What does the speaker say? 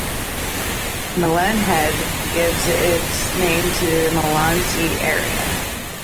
Malin Head gives its name to the Malin sea area.